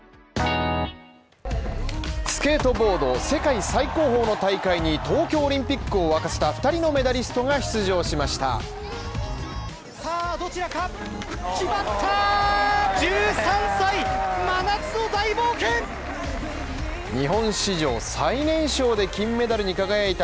スケートボード世界最高峰の大会に東京オリンピックを沸かせた２人のメダリストが出場をしました。